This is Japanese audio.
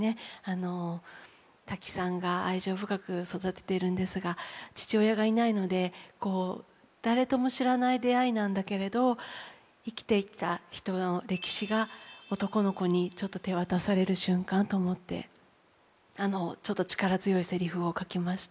タキさんが愛情深く育てているんですが父親がいないのでこう誰とも知らない出会いなんだけれど生きてきた人の歴史が男の子にちょっと手渡される瞬間と思ってちょっと力強いセリフを書きました。